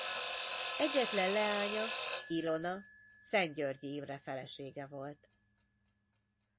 Egyetlen leánya Ilona Szent-Györgyi Imre felesége volt.